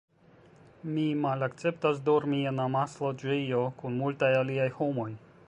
Mi malakceptas dormi en amasloĝejo kun multaj aliaj homoj.